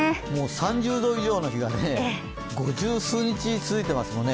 ３０度以上の日が五十数日続いてますもんね。